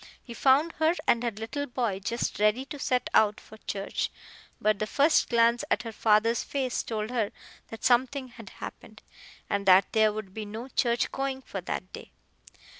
He found her and her little boy just ready to set out for church, but the first glance at her father's face told her that something had happened, and that there would be no church going for that day.